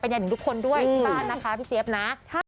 เป็นเหมือนคนด้วยที่บ้านนะคะพี่เจฟนะ